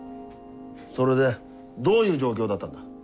それでどういう状況だったんだ。